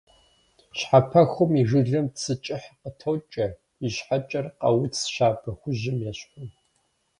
Щхьэпэхум и жылэм цы кӀыхь къытокӀэ, и щхьэкӀэр «къауц» щабэ хужьым ещхьу.